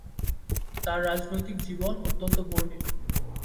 তার রাজনৈতিক জীবন অত্যন্ত বর্ণিল।